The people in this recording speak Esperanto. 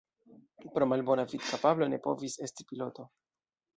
Pro malbona vidkapablo ne povis esti piloto.